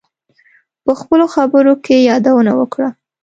په خپلو خبرو کې یادونه وکړه.